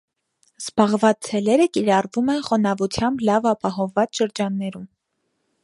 Զբաղված ցելերը կիրառվում են խոնավությամբ լավ ապահովված շրջաններում։